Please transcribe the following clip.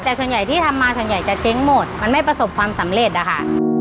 แต่ส่วนใหญ่ที่ทำมาส่วนใหญ่จะเจ๊งหมดมันไม่ประสบความสำเร็จอะค่ะ